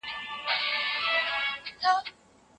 د ادارې په چارو کې مثبت ګډون د باور سبب دی.